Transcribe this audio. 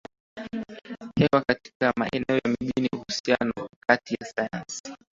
hewa katika maeneo ya mijini Uhusiano kati ya Sayansi